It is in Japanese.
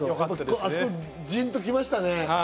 あそこ、じんときましたね。